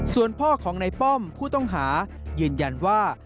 ส่วนพ่อของในป้อมผู้ต้องหายืนยันว่า